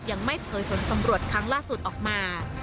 ยังไม่เผยผลสำรวจครั้งล่าสุดออกมา